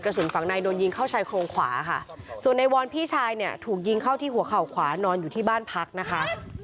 สุนฝั่งในโดนยิงเข้าชายโครงขวาค่ะส่วนในวอนพี่ชายเนี่ยถูกยิงเข้าที่หัวเข่าขวานอนอยู่ที่บ้านพักนะคะ